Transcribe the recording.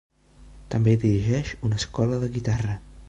També dirigeix una escola de guitarra.